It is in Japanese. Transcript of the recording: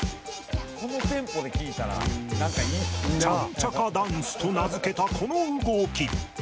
チャンチャカダンスと名付けたこの動き。